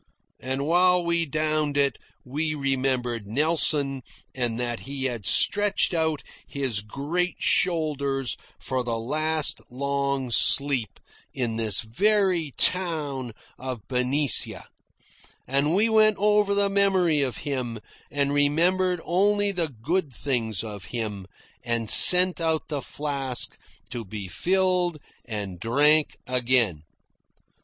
And while we downed it, we remembered Nelson and that he had stretched out his great shoulders for the last long sleep in this very town of Benicia; and we wept over the memory of him, and remembered only the good things of him, and sent out the flask to be filled and drank again.